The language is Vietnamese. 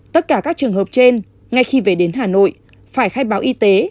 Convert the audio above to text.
tất cả các trường hợp trên ngay khi về đến hà nội phải khai báo y tế